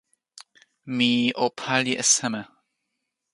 mi o pali e seme?